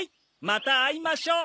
また会いましょう。